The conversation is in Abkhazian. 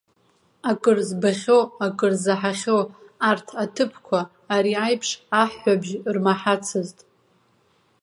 Акыр збахьоу, акыр заҳахьоу арҭ аҭыԥқәа ари аиԥш аҳәҳәабжь рмаҳацызт.